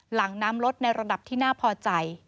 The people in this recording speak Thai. หลังน้ำลดในระดับที่น่าพอใจ